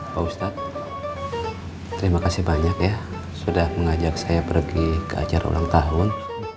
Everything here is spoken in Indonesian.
pak ustadz terima kasih banyak ya sudah mengajak saya pergi ke acara ulang tahun